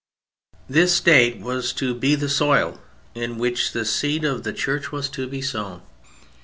This State was to be the soil in which the seed of the Church was to be sown.